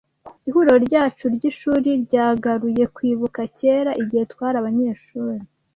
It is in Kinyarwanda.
Ihuriro ryacu ryishuri ryagaruye kwibuka kera igihe twari abanyeshuri.